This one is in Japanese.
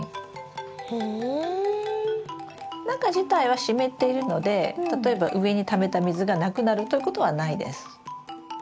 中自体は湿っているので例えば上にためた水がなくなるということはないです。